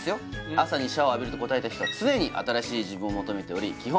朝にシャワーを浴びると答えた人は常に新しい自分を求めており基本